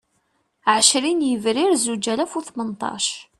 Ɛecrin Yebrir Zuǧ alas u Tmenṭac